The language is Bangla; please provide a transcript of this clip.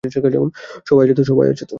সবাই আছে তো?